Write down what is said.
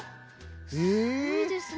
すごいですね。